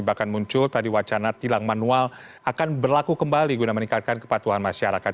bahkan muncul tadi wacana tilang manual akan berlaku kembali guna meningkatkan kepatuhan masyarakat